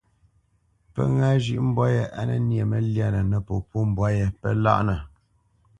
Pə́ ŋâ zhʉ̌ʼ mbwǎ yé á nə nyê məlyánə nə popó mbwǎ yé, pə́ láʼnə.